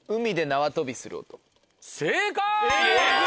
正解！